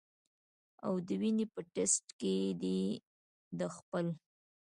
او د وینې پۀ ټېسټ کښې دې د خپل